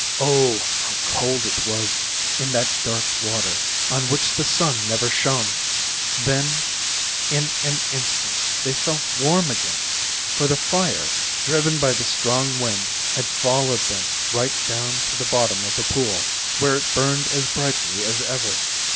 Oh, how cold it was in that dark water on which the sun never shone! Then in an instant they felt warm again, for the fire, driven by the strong wind, had followed them right down to the bottom of the pool, where it burned as brightly as ever.